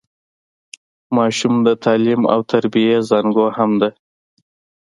د ماشوم د تعليم او تربيې زانګو هم ده.